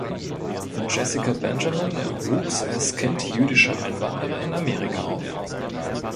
Jessica Benjamin wuchs als Kind jüdischer Einwanderer in Amerika auf.